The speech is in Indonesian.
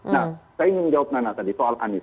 nah saya ingin menjawab nana tadi soal anies